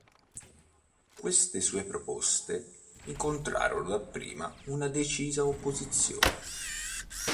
Queste sue proposte incontrarono dapprima una decisa opposizione.